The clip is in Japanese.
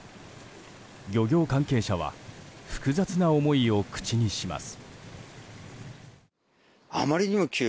漁業関係者は複雑な思いを口にします。